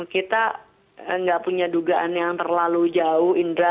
kita nggak punya dugaan yang terlalu jauh indra